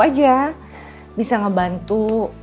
aja bisa ngebantu